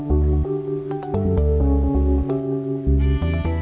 peminatnya dia sudah selesai